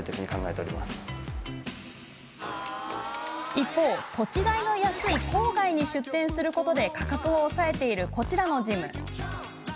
一方、土地代の安い郊外に出店することで価格を抑えているこちらのジム。